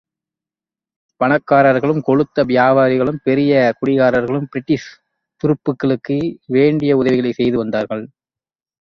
பணக்காரர்களும், கொழுத்த வியாபாரிகளும் பெரிய குடியானவர்களும் பிரிட்டிஷ் துருப்புக்களுக்கு வேண்டிய உதவிகளைச் செய்து வந்தார்கள்.